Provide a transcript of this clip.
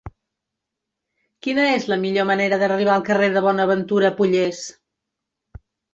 Quina és la millor manera d'arribar al carrer de Bonaventura Pollés?